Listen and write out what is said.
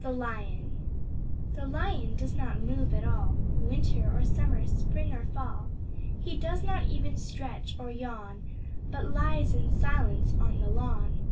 The Lion The Lion does not move at all, Winter or Summer, Spring or Fall, He does not even stretch or yawn, But lies in silence on the lawn.